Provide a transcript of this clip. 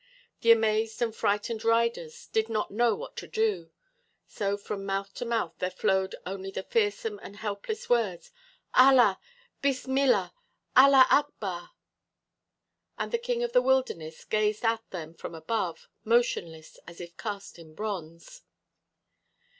The amazed and frightened riders did not know what to do; so from mouth to mouth there flowed only the fearsome and helpless words, "Allah! Bismillah! Allah akbar!" And the king of the wilderness gazed at them from above, motionless as if cast of bronze.